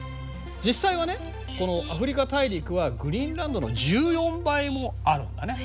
実際はねこのアフリカ大陸はグリーンランドの１４倍もあるんだね。